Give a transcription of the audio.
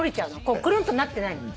くるんとなってないの？